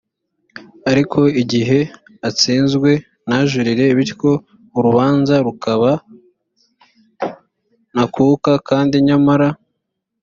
ariko igihe atsinzwe ntajurire bityo urubanza rukaba ntakuka kandi nyamara